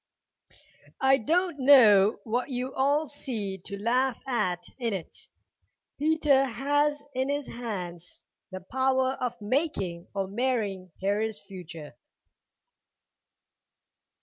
"I don't know what you all see to laugh at in it. Peter has in his hands the power of making or marring Harry's future."